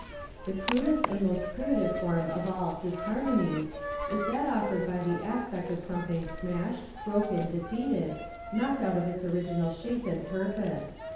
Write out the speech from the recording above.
The crudest and most primitive form of all "disharmonies" is that offered by the aspect of something smashed, broken, defeated, knocked out of its original shape and purpose.